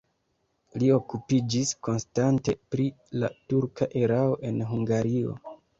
Li okupiĝis konstante pri la turka erao en Hungario.